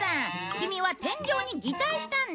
キミは天井に擬態したんだ。